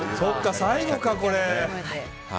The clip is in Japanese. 最後か、これ。